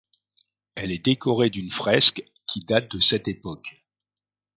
Elle est décoré d'une fresque, qui date de cette époque.